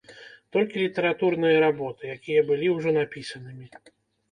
Толькі літаратурныя работы, якія былі ўжо напісанымі.